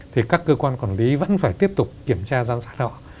thì các cơ quan quản lý vẫn phải tiếp tục kiểm tra giám sát họ